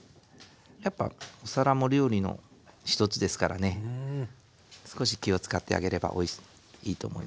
やっぱお皿も料理の一つですからね少し気を遣ってあげればいいと思いますよ。